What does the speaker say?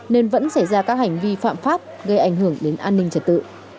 nên vẫn xảy ra các hành vi phạm pháp gây ảnh hưởng đến an ninh trật tự